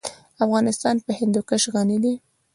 افغانستان په هندوکش غني دی.